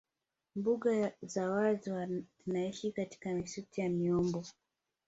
Mbuga za wazi zinaishia katika misitu ya miombo